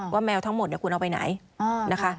แมวทั้งหมดคุณเอาไปไหนนะคะ